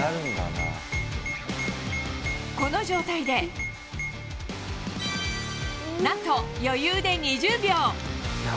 この状態で、なんと余裕で２０秒。